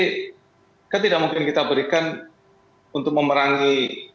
jadi kan tidak mungkin kita berikan untuk memerangi